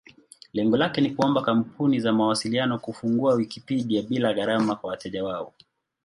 Lengo lake ni kuomba kampuni za mawasiliano kufungua Wikipedia bila gharama kwa wateja wao.